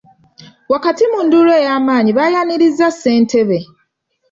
Wakati mu nduulu eyamanyi baayaniriza ssentebe.